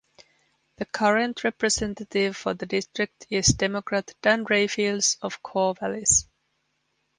The current representative for the district is Democrat Dan Rayfield of Corvallis.